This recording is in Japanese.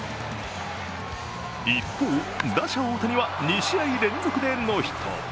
一方、打者・大谷は２試合連続でノーヒット。